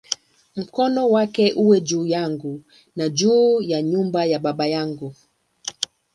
Mkono wako na uwe juu yangu, na juu ya nyumba ya baba yangu"!